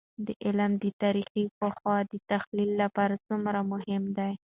دا علم د تاريخي پېښو د تحلیل لپاره څومره مهم دی؟